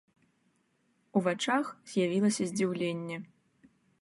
У вачах з'явілася здзіўленне.